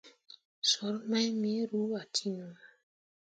Soor mai me ru a ciŋwo.